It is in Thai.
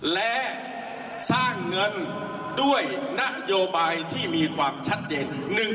และสร้างเงินด้วยนโยบายที่มีความชัดเจน